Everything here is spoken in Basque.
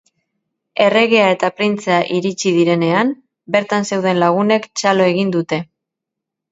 Erregea eta printzea iritsi direnean, bertan zeuden lagunek txalo egin dute.